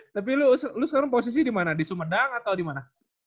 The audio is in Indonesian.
tapi lu sekarang posisi di mana di sumedang atau di mana